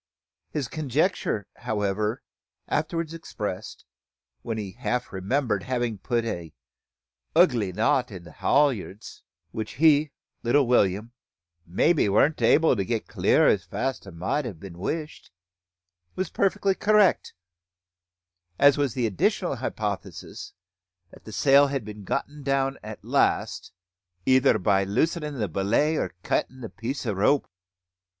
His conjecture, however, afterwards expressed, when he half remembered having put "a ugly knot on the haulyards"; which he, little William, "maybe warn't able to get clear as fast as mout a been wished," was perfectly correct; as was also the additional hypothesis that the sail had been got down at last, "either by loosin' the belay or cuttin' the piece o' rope."